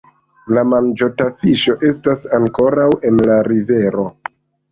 La manĝota fiŝo estas ankoraŭ en la rivero.